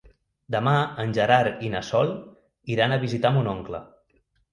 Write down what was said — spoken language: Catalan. Demà en Gerard i na Sol iran a visitar mon oncle.